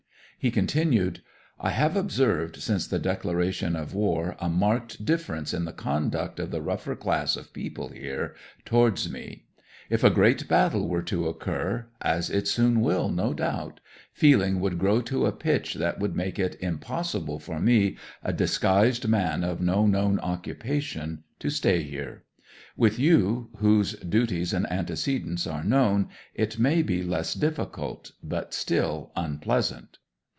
'He continued: "I have observed since the declaration of war a marked difference in the conduct of the rougher class of people here towards me. If a great battle were to occur as it soon will, no doubt feeling would grow to a pitch that would make it impossible for me, a disguised man of no known occupation, to stay here. With you, whose duties and antecedents are known, it may be less difficult, but still unpleasant.